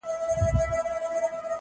سفر د نړۍ پېژندنه زیاتوي